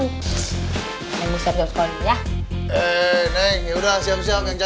neng bisa jauh sekolah dulu ya